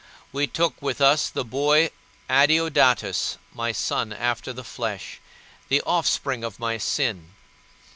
We took with us the boy Adeodatus, my son after the flesh, the offspring of my sin.